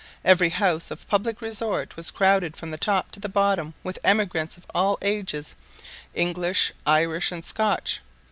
Every house of public resort was crowded from the top to the bottom with emigrants of all ages, English, Irish, and Scotch.